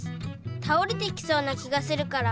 たおれてきそうな気がするから。